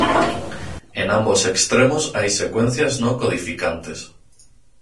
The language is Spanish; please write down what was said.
En ambos extremos hay secuencias no codificantes.